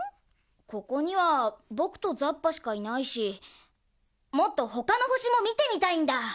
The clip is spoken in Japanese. ここにはぼくとザッパしかいないしもっとほかのほしもみてみたいんだ。